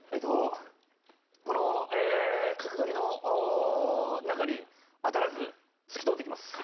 この角刈りの中に当たらず突き通っていきます。